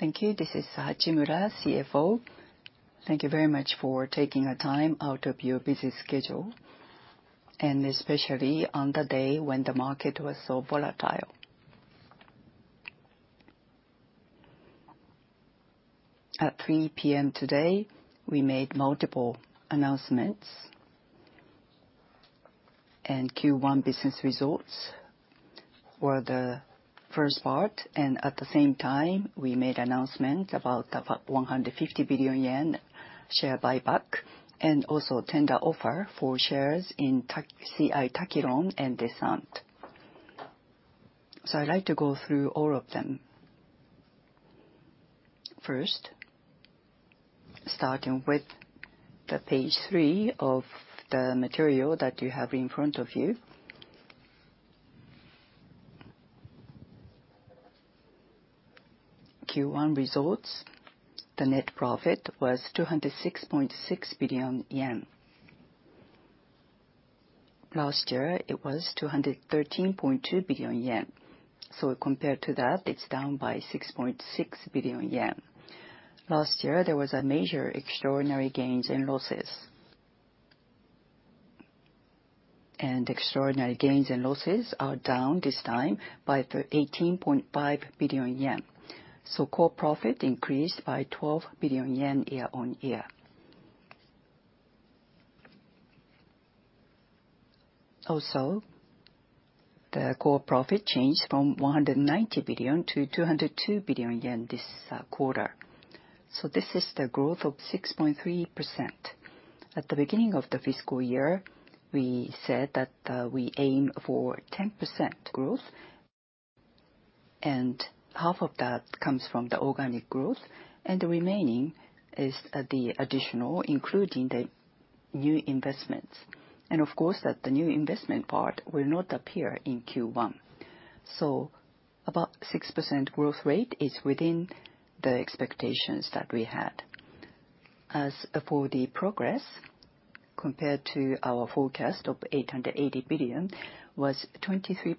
Thank you. This is Hachimura, CFO. Thank you very much for taking the time out of your busy schedule, and especially on the day when the market was so volatile. At 3:00P.M. today, we made multiple announcements, and Q1 business results were the first part, and at the same time, we made announcements about one hundred and fifty billion yen share buyback, and also tender offer for shares in C.I. Takiron and Descente. So I'd like to go through all of them. First, starting with page 3 of the material that you have in front of you. Q1 results, the net profit was 206.6 billion yen. Last year, it was 213.2 billion yen. So compared to that, it's down by 6.6 billion yen. Last year, there was a major extraordinary gains and losses. And extraordinary gains and losses are down this time by 18.5 billion yen. So core profit increased by 12 billion yen year-on-year. Also, the core profit changed from 190 billion to 202 billion yen this quarter. So this is the growth of 6.3%. At the beginning of the fiscal year, we said that we aim for 10% growth, and half of that comes from the organic growth, and the remaining is the additional, including the new investments. And of course, that the new investment part will not appear in Q1. So about 6% growth rate is within the expectations that we had. As for the progress, compared to our forecast of 880 billion, was 23%.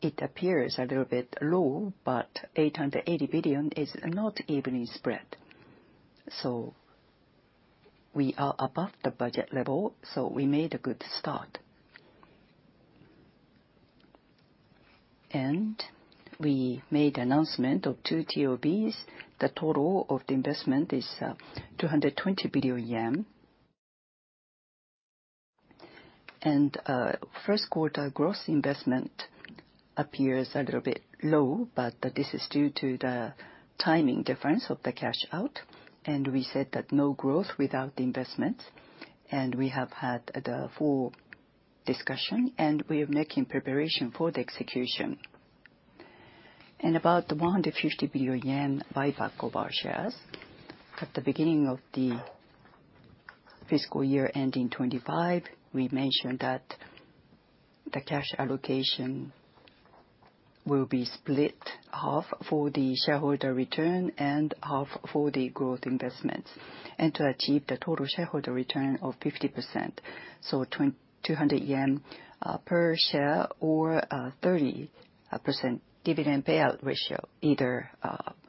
It appears a little bit low, but 880 billion is not evenly spread, so we are above the budget level, so we made a good start. We made announcement of two TOBs. The total of the investment is 220 billion yen. First quarter gross investment appears a little bit low, but this is due to the timing difference of the cash out. We said that no growth without investment, and we have had the full discussion, and we are making preparation for the execution. About the 150 billion yen buyback of our shares, at the beginning of the fiscal year ending 2025, we mentioned that the cash allocation will be split, half for the shareholder return and half for the growth investments, and to achieve the total shareholder return of 50%, so 200 yen per share or 30% dividend payout ratio, either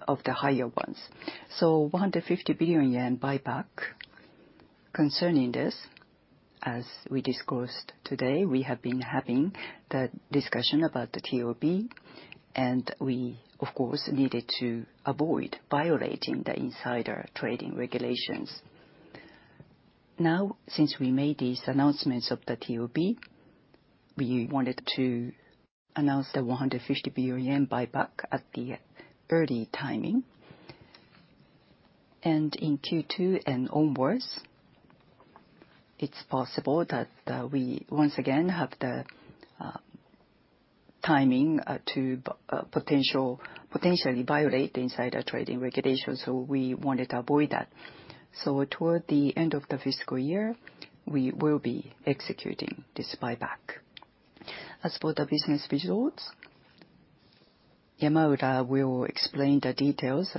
of the higher ones. 150 billion yen buyback. Concerning this, as we discussed today, we have been having the discussion about the TOB, and we, of course, needed to avoid violating the insider trading regulations. Now, since we made these announcements of the TOB, we wanted to announce the 150 billion yen buyback at the early timing. In Q2 and onwards, it's possible that we once again have the timing to potentially violate the insider trading regulations, so we wanted to avoid that. Toward the end of the fiscal year, we will be executing this buyback. As for the business results, Yamaura will explain the details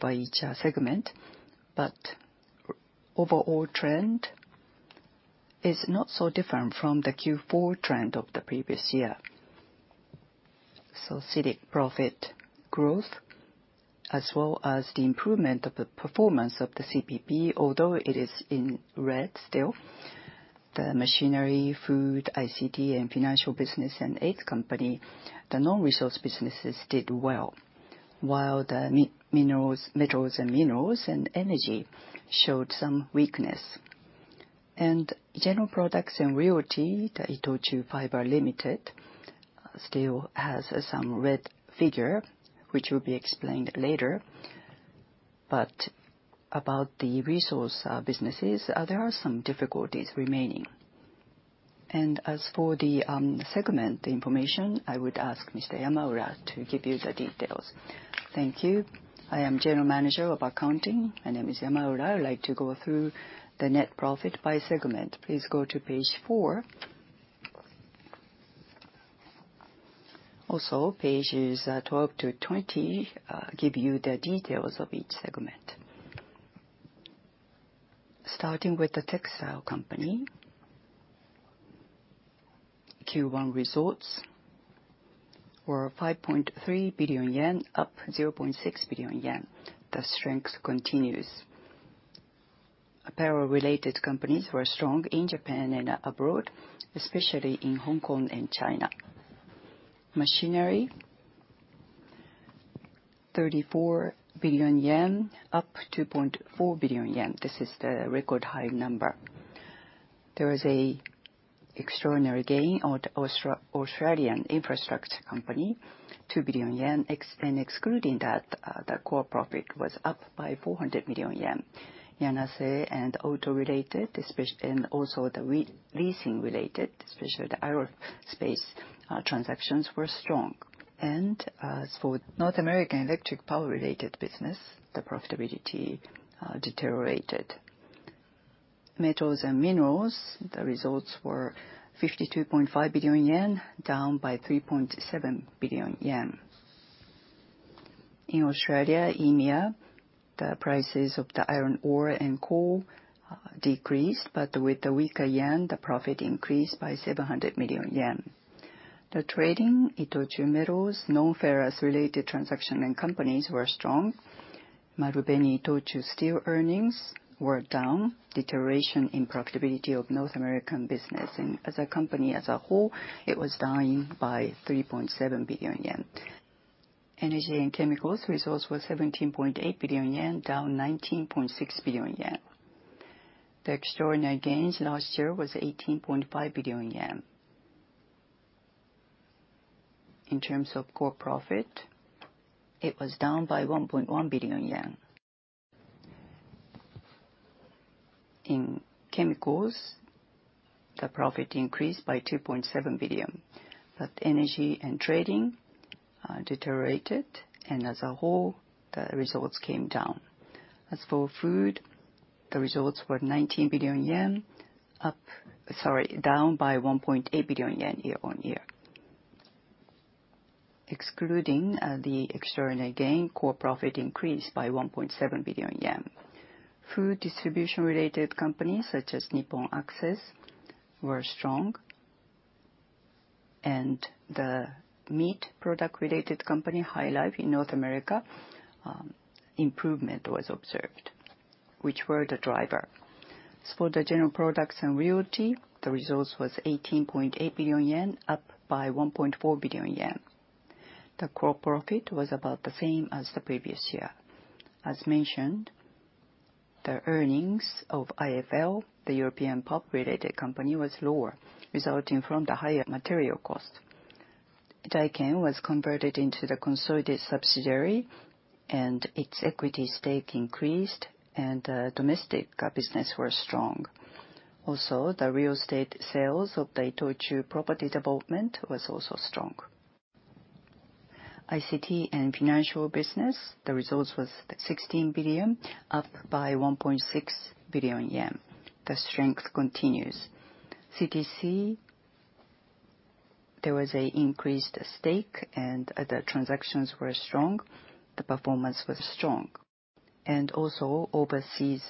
by each segment, but overall trend is not so different from the Q4 trend of the previous year. CITIC profit growth, as well as the improvement of the performance of the CPP, although it is in red still, the machinery, food, ICT, and financial business, and The 8th Company, the non-resource businesses did well. While the metals and minerals and energy showed some weakness. General products and realty, the ITOCHU Fibre Limited, still has some red figure, which will be explained later. But about the resource, businesses, there are some difficulties remaining. And as for the, segment, the information, I would ask Mr. Yamaura to give you the details. Thank you. I am General Manager of Accounting. My name is Yamaura. I would like to go through the net profit by segment. Please go to page four. Also, pages, 12 to 20, give you the details of each segment. Starting with the textile company. Q1 results were 5.3 billion yen, up 0.6 billion yen. The strength continues. Apparel-related companies were strong in Japan and abroad, especially in Hong Kong and China. Machinery, 34 billion yen, up 2.4 billion yen. This is the record high number. There was an extraordinary gain on the Australian infrastructure company, 2 billion yen and excluding that, the core profit was up by 400 million yen. Yanase and auto-related, especially and also the leasing-related, especially the aerospace transactions were strong. As for North American electric power-related business, the profitability deteriorated. Metals and minerals, the results were 52.5 billion yen, down by 3.7 billion yen. In Australia, EMEA, the prices of the iron ore and coal decreased, but with the weaker yen, the profit increased by 700 million yen. The trading, ITOCHU Metals, nonferrous-related transaction and companies were strong. Marubeni-Itochu Steel earnings were down, deterioration in profitability of North American business, and as a company as a whole, it was down by 3.7 billion yen. Energy and chemicals results were 17.8 billion yen, down 19.6 billion yen. The extraordinary gains last year was 18.5 billion yen. In terms of core profit, it was down by 1.1 billion yen. In chemicals, the profit increased by 2.7 billion, but energy and trading deteriorated, and as a whole, the results came down. As for food, the results were ¥19 billion, down by ¥1.8 billion year-on-year. Excluding the extraordinary gain, core profit increased by ¥1.7 billion. Food distribution-related companies, such as Nippon Access, were strong, and the meat product-related company, HyLife in North America, improvement was observed, which were the driver. As for the general products and realty, the results was ¥18.8 billion, up by ¥1.4 billion. The core profit was about the same as the previous year. As mentioned, the earnings of IFL, the European pulp-related company, was lower, resulting from the higher material cost. Daiken was converted into the consolidated subsidiary, and its equity stake increased, and domestic business were strong. Also, the real estate sales of the ITOCHU Property Development was also strong. ICT and financial business, the results was ¥16 billion, up by ¥1.6 billion. The strength continues. CTC, there was an increased stake, and the transactions were strong. The performance was strong. And also overseas,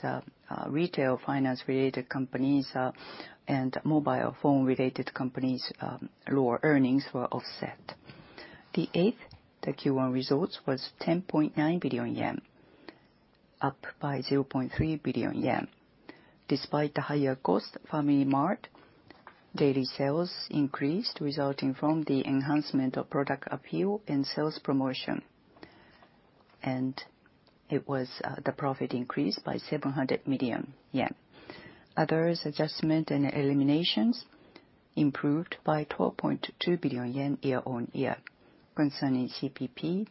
retail finance-related companies and mobile phone-related companies, lower earnings were offset. CTC's Q1 results was 10.9 billion yen, up by 0.3 billion yen. Despite the higher cost, FamilyMart daily sales increased, resulting from the enhancement of product appeal and sales promotion, and its profit increased by 700 million yen. Others, adjustment and eliminations improved by 12.2 billion yen year-on-year. Concerning CPP,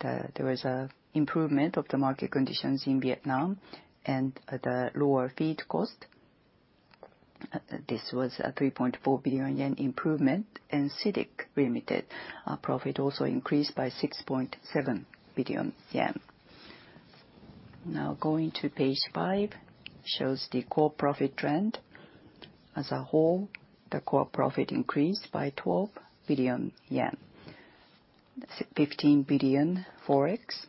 there was an improvement of the market conditions in Vietnam and the lower feed cost. This was a 3.4 billion yen improvement, and CITIC Limited profit also increased by 6.7 billion yen. Now, going to page 5 shows the core profit trend. As a whole, the core profit increased by 12 billion yen, 15 billion Forex,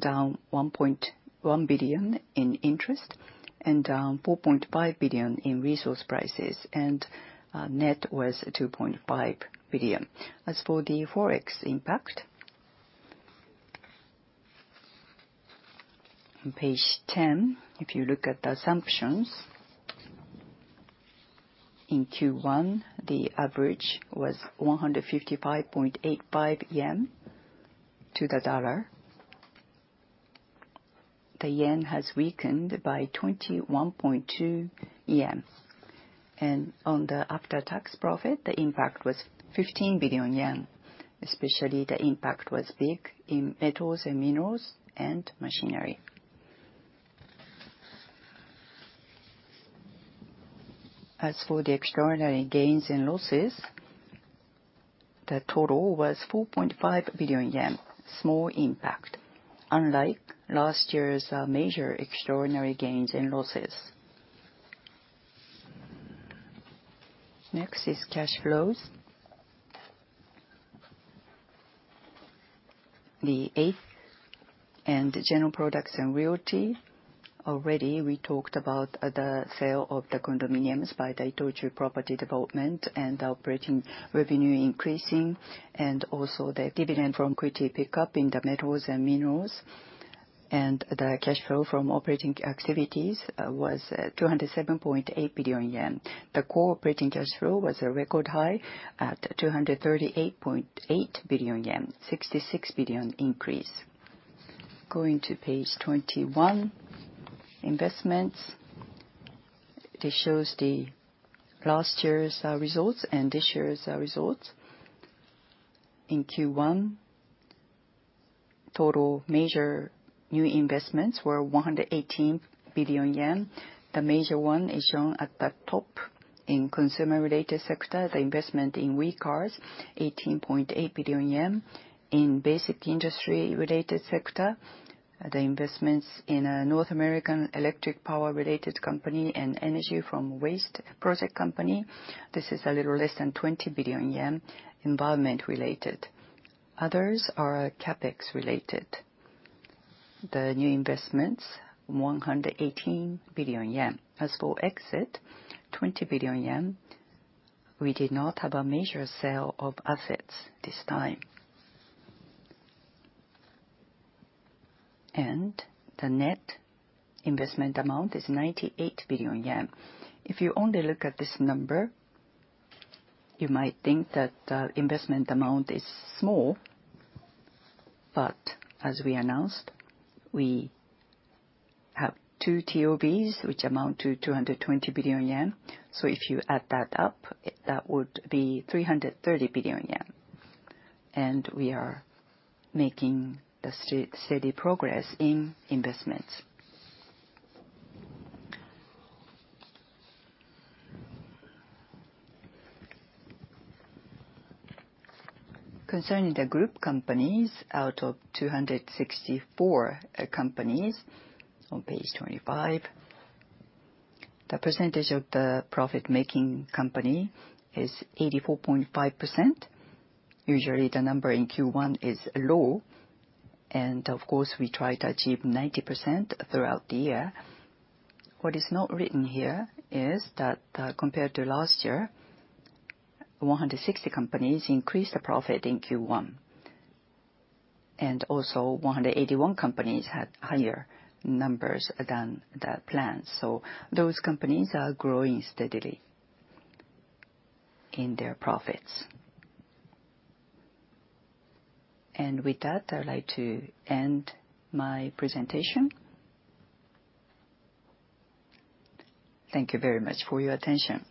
down 1.1 billion in interest and 4.5 billion in resource prices, and net was 2.5 billion. As for the Forex impact, on page 10, if you look at the assumptions, in Q1, the average was 155.85 yen to the dollar. The yen has weakened by 21.2 yen. On the after-tax profit, the impact was 15 billion yen, especially the impact was big in metals and minerals and machinery. As for the extraordinary gains and losses, the total was 4.5 billion yen, small impact, unlike last year's major extraordinary gains and losses. Next is cash flows, The 8th, and general products and realty. Already we talked about the sale of the condominiums by ITOCHU Property Development and operating revenue increasing, and also the dividend from equity pick-up in the metals and minerals. The cash flow from operating activities was 207.8 billion yen. The core operating cash flow was a record high at 238.8 billion yen, 66 billion JPY increase. Going to page 21, investments. This shows last year's results and this year's results. In Q1, total major new investments were 118 billion yen. The major one is shown at the top. In consumer-related sector, the investment in WECARS, 18.8 billion yen. In basic industry-related sector, the investments in a North American electric power-related company and energy from waste project company, this is a little less than 20 billion yen, environment related. Others are CapEx related. The new investments, 118 billion yen. As for exit, 20 billion yen, we did not have a major sale of assets this time. The net investment amount is 98 billion yen. If you only look at this number, you might think that the investment amount is small, but as we announced, we have two TOBs, which amount to 220 billion yen. So if you add that up, that would be 330 billion yen, and we are making steady progress in investments. Concerning the group companies, out of 264 companies, on page 25, the percentage of the profit-making company is 84.5%. Usually, the number in Q1 is low, and of course, we try to achieve 90% throughout the year. What is not written here is that, compared to last year, 160 companies increased their profit in Q1, and also 181 companies had higher numbers than the plan. Those companies are growing steadily in their profits. With that, I'd like to end my presentation. Thank you very much for your attention.